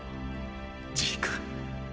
ジーク。